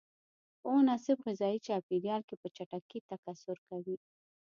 په مناسب غذایي چاپیریال کې په چټکۍ تکثر کوي.